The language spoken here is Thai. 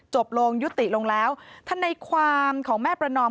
จบลงยุติลงแล้วท่านในความของแม่ประนอม